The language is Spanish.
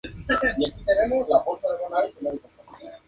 Se editó en casi todos los países donde se emitía la serie, incluido España.